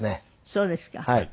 そうですか。